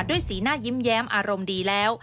สีหน้ายิ้มแย้มอารมณ์ดีแล้ว